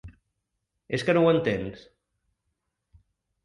És que no ho entens?